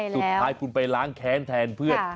สุดท้ายคุณไปล้างแค้นแทนเพื่อน